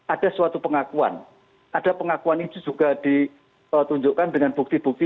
ada suatu pengakuan ada pengakuan itu juga ditunjukkan dengan bukti bukti